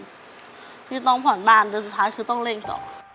ที่ต้องผ่อนบ้านแต่สุดท้ายคือต้องเร่งต่อ